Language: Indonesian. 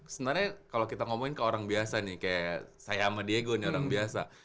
sebenarnya kalau kita ngomongin ke orang biasa nih kayak saya sama diego nih orang biasa